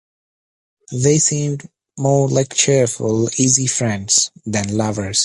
They seemed more like cheerful, easy friends, than lovers.